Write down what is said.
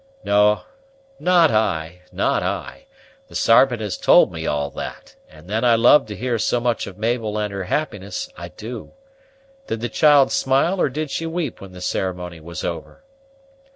"Not I, not I; the Sarpent has told me all that: and then I love to hear so much of Mabel and her happiness, I do. Did the child smile or did she weep when the ceremony was over?"